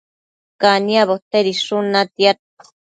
caniabo tedishun natiad